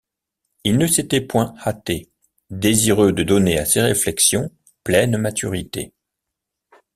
Il ne s’était point hâté, désireux de donner à ses réflexions pleine maturité.